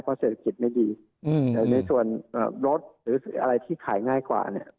เพราะเศรษฐกิจไม่ดีแต่ในส่วนรถหรืออะไรที่ขายง่ายกว่าเนี่ย